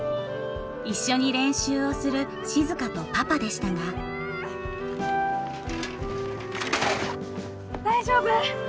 一緒に練習をする静とパパでしたが大丈夫？